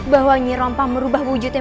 bahwa nyirom pang merubah wujudnya